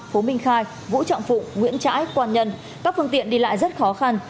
phố minh khai vũ trọng phụng nguyễn trãi quan nhân các phương tiện đi lại rất khó khăn